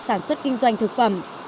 sản xuất kinh doanh thực phẩm